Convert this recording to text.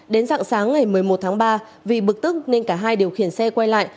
đến dạng sáng ngày một mươi một tháng ba vì bực tức nên cả hai điều khiển xe quay lại